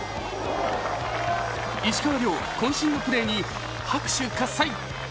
石川遼、こん身のプレーに拍手喝采。